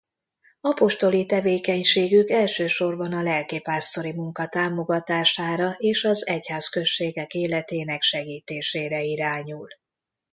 Apostoli tevékenységük elsősorban a lelkipásztori munka támogatására és az egyházközségek életének segítésére irányul.